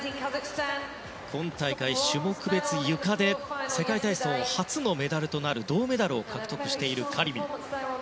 今大会、種目別ゆかで世界体操初のメダルとなる銅メダルを獲得したカリミ。